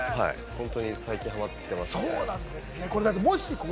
本当に最近ハマってます。